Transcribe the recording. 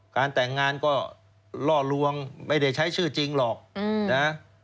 การแต่งงานก็ล่อลวงไม่ได้ใช้ชื่อจริงหรอกนะ